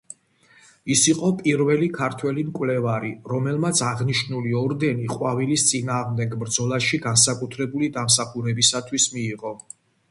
ის იყო პირველი ქართველი მკვლევარი, რომელმაც აღნიშნული ორდენი ყვავილის წინააღმდეგ ბრძოლაში განსაკუთრებული დამსახურებისათვის მიიღო.